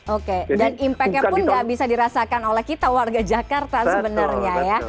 oke dan impactnya pun nggak bisa dirasakan oleh kita warga jakarta sebenarnya ya